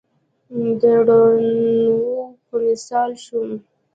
د روڼاوو په مثال شوم